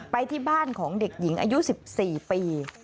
ไปที่บ้านของเด็กหญิงอายุ๑๔ปี